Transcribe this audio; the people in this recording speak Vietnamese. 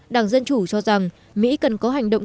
đảng cho rằng mỹ cần có hành động